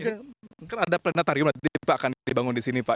itu ada planetarium aja yang akan dibangun di sini pak